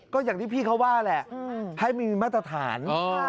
ก็อย่างที่พี่เขาว่าแหละให้มีมาตรฐาน